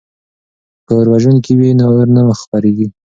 که اوروژونکي وي نو اور نه خپریږي.